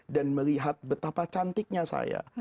dan melihat betapa cantiknya saya